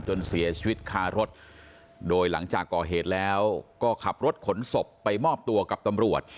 เสียชีวิตคารถโดยหลังจากก่อเหตุแล้วก็ขับรถขนศพไปมอบตัวกับตำรวจ